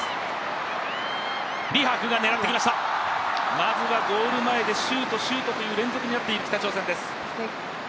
まずはゴール前でシュート、シュートという連続になっている北朝鮮です。